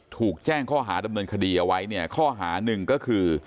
ถูกแจ้งข้อหาดำเนินคดีเอาไว้เนี่ยข้อหาหนึ่งก็คือ